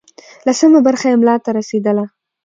لسمه برخه یې ملا ته رسېدله.